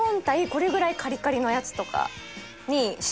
これぐらいカリカリのやつとかにします次。